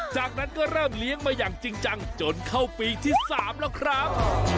จากนั้นก็เริ่มเลี้ยงมาอย่างจริงจังจนเข้าปีที่๓แล้วครับ